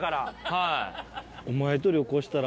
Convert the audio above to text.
はい。